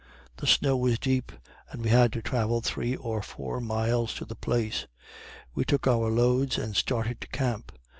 The snow was deep, and we had to travel three or four miles to the place. We took our loads and started to camp.